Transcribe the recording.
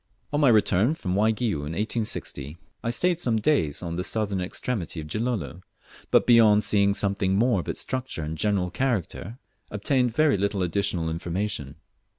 On my return from Waigiou in 1860, I stayed some days on the southern extremity of Gilolo; but, beyond seeing something more of its structure and general character, obtained very little additional information.